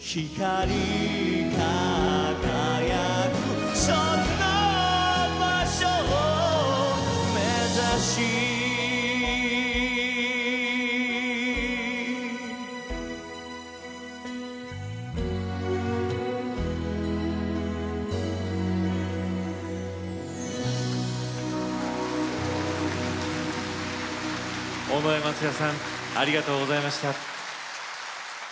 尾上松也さんありがとうございました。